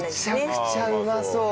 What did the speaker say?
むちゃくちゃうまそう！